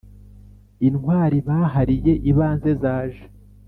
Intwari bahariye ibanze zaje